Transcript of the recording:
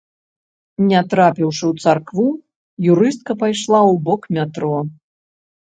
Не трапіўшы ў царкву, юрыстка пайшла ў бок метро.